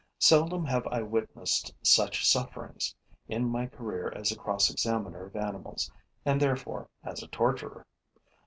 Seldom have I witnessed such sufferings, in my career as a cross examiner of animals and, therefore, as a torturer.